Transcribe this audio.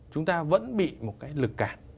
chúng ta vẫn bị một cái lực cản